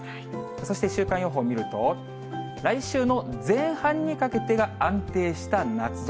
そして週間予報見ると、来週の前半にかけてが安定した夏空。